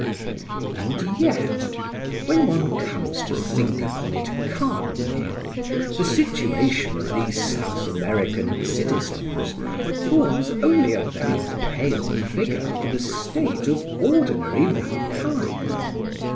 And yet, when one comes to think upon it calmly, the situation of these South American citizens forms only a very pale figure for the state of ordinary mankind.